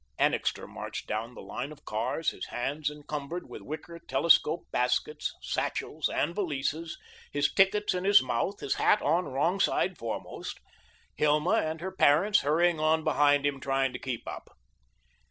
Annixter marched down the line of cars, his hands encumbered with wicker telescope baskets, satchels, and valises, his tickets in his mouth, his hat on wrong side foremost, Hilma and her parents hurrying on behind him, trying to keep up.